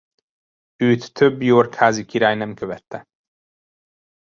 Őt több York-házi király nem követte.